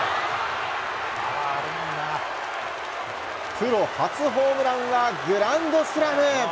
プロ初ホームランは、グランドスラム。